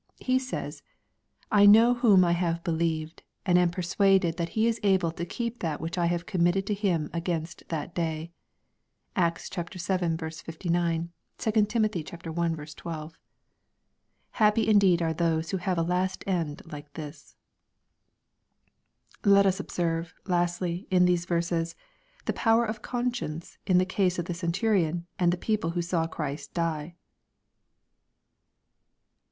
He says, " I know whom I have believed, and am persuaded that He is able to keep that which I have committed to him against that day." (Acts vii. 59 ; 2 Tim. i. 12.) Happy indeed are those who have a last end like this I Let us ob8erve, lastly, in these verses, the power ofconr science in the case of the centurion and the people who saw Christ die.